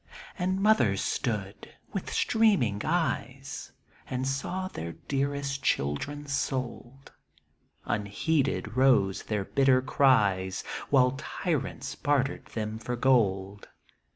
16 And mothers stood, with streaming eyes, And saw their dearest children sold ; Unheeded rose their bitter cries. While tyrants bartered them for gold.